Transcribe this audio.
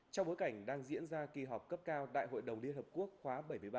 trong bối cảnh đang diễn ra kỳ họp cấp cao đại hội đồng liên hợp quốc khóa bảy mươi ba